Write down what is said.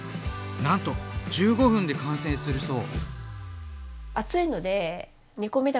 なんと１５分で完成するそう！